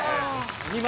２枚。